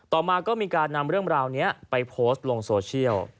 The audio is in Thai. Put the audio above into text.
ต่อมาก็มีการนำเรื่องราวนี้ไปโพสต์ลงโซเชียล